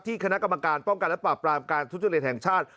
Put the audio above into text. ที่คณะกรรมการป้องกันและปรับปรามการทุกชนิดแหล่นแห่งชาติ